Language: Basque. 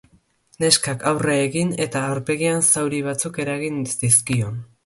Neskak aurre egin eta aurpegian zauri batzuk eragin zizkion.